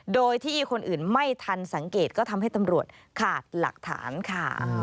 โดยที่คนอื่นไม่ทันสังเกตก็ทำให้ตำรวจขาดหลักฐานค่ะ